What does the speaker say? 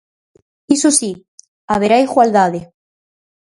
Iso si, haberá igualdade.